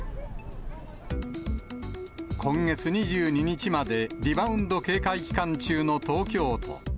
今月２２日までリバウンド警戒期間中の東京都。